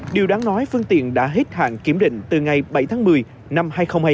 điều đáng nói phương tiện đã hết hạn kiểm định từ ngày bảy tháng một mươi năm hai nghìn hai mươi